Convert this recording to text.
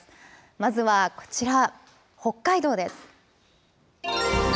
まずはこちら、北海道です。